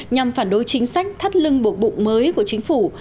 nhằm phản đối chính sách thắt lưng buộc bụng mới của chính phủ